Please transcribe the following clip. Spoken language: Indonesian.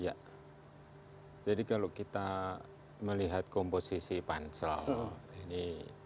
ya jadi kalau kita melihat komposisi pansel ini